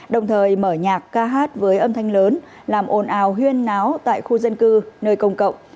đồng thời mở nhạc ca hát với âm thanh lớn làm ồn ào huyên náo tại khu dân cư nơi công cộng